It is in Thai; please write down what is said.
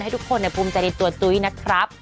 ให้ทุกคนปุ้มใจดีตัวตุ้ยนะครับ